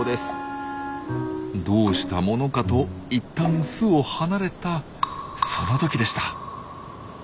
どうしたものかと一旦巣を離れたその時でした。